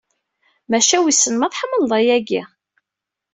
Maca wisen ma tḥemmleḍ ayagi?